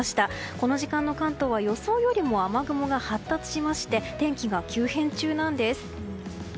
この時間の関東は予想よりも雨雲が発達しまして天気が急変中なんです。